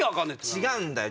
違うんだよ。